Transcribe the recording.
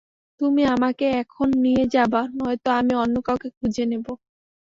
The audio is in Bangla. তুমি আমাকে এখন নিয়ে যাবা নয়তো আমি অন্য কাউকে খুজে নিব।